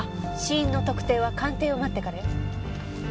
死因の特定は鑑定を待ってからよ。